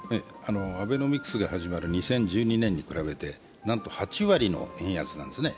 アベノミクスが始まる２０１２年に比べてなんと８割の円安なんですね。